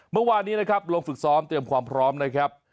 เมื่อวานนี้นะครับลงฝึกซ้อมเตรียมความพร้อมนะครับ